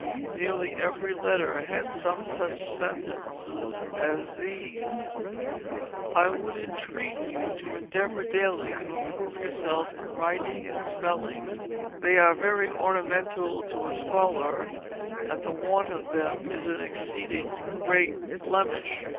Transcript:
Nearly every letter had some such sentences as these: "I would intreet you to endeavour daily to Improve yourself in writting and spelling; they are very ornimentall to a scholar and the want of them is an exceeding great Blemish."